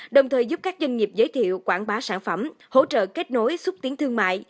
đồng thời giúp các doanh nghiệp giới thiệu quảng bá sản phẩm hỗ trợ kết nối xúc tiến thương mại